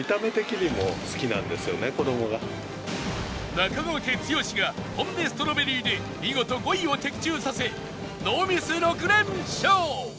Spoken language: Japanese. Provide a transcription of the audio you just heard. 中川家剛がポン・デ・ストロベリーで見事５位を的中させノーミス６連勝！